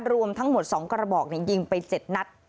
รวมทั้งหมด๒กระบอกยิงไป๗นัด